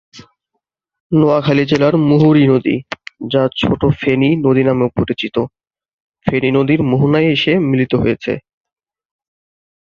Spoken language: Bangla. নোয়াখালী জেলার মুহুরী নদী, যা ছোট ফেনী নদী নামেও পরিচিত, ফেনী নদীর মোহনায় এসে মিলিত হয়েছে।